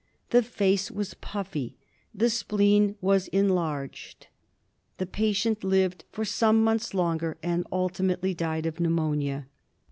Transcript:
The face was puffy. The spleen was enlarged. The patient lived for some months longer, and ultimately died of pneumonia.